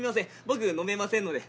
僕飲めませんので。